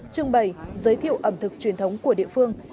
trưng bày giới thiệu ẩm thực truyền thống của địa phương